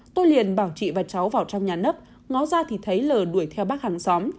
tôi liền bảo chị và cháu vào trong nhà nấp ngó ra thì thấy lờ đuổi theo bác hàng xóm